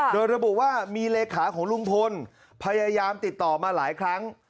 โดยระบุว่ามีเลขาของลุงพลพยายามติดต่อมาหลายครั้ง